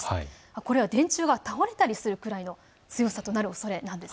これは電柱が倒れたりするくらいの強さです。